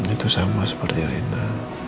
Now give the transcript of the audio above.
itu sama seperti rina